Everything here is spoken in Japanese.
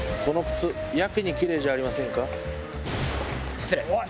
失礼。